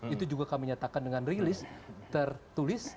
itu juga kami nyatakan dengan rilis tertulis